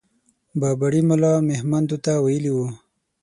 بابړي ملا مهمندو ته ويلي وو.